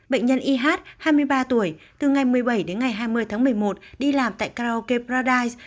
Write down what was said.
bệnh nhân ih hai mươi ba tuổi từ ngày một mươi bảy đến ngày hai mươi tháng một mươi một đi làm tại karaoke pradise